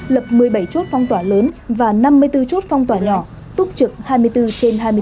lập một mươi bảy chốt phong tỏa lớn và năm mươi bốn chốt phong tỏa nhỏ túc trực hai mươi bốn trên hai mươi bốn